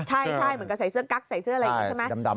ใช่เหมือนกับใส่เสื้อกั๊กใส่เสื้ออะไรอย่างนี้ใช่ไหม